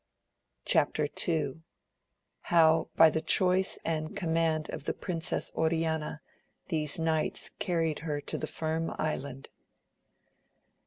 Chap. II. — How by the choice and command of fche Princess Oriana, these Knights carried her to the Firm Island.